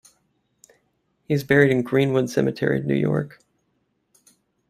He is buried in Greenwood-Cemetery, New York.